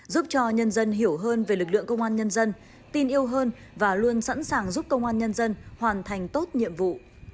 giúp cho nhân dân hiểu hơn về lực lượng công an nhân dân tin yêu hơn và luôn sẵn sàng giúp công an nhân dân hoàn thành tốt nhiệm vụ